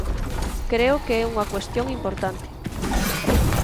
Creo que é unha cuestión importante.